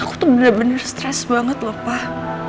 aku tuh bener bener stres banget lho pak